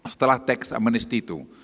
setelah tax amnesty itu